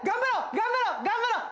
頑張ろう！